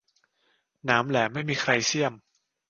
หนามแหลมไม่มีใครเสี้ยม